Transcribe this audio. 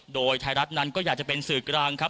โดยไทยรัฐนั้นก็อยากจะเป็นสื่อกลางครับ